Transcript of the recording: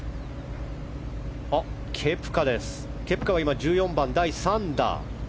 ケプカは今１４番、第３打。